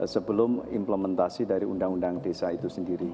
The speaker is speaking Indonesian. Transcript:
sebelum implementasi dari undang undang desa itu sendiri